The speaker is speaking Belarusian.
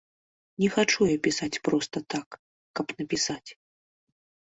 Не хачу я пісаць проста так, каб напісаць.